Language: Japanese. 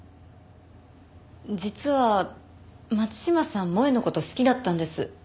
実は松島さん萌絵の事好きだったんです。